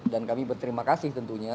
dan kami berterima kasih tentunya